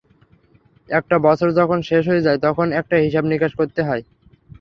একটা বছর যখন শেষ হয়ে যায়, তখন একটা হিসাব-নিকাশ করতে হয়।